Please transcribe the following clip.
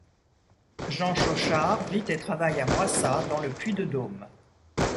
Jean Chauchard vit et travaille à Moissat, dans le Puy-de-Dôme.